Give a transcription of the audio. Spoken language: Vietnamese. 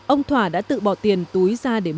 ông thỏa đã tự bỏ tiền túi ra để mua